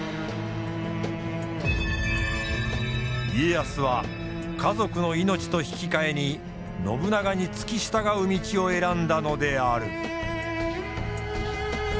家康は家族の命と引き換えに信長に付き従う道を選んだのである。